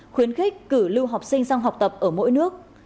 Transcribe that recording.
khuyến khích cử lưu học sinh sang học tập ở mỗi nước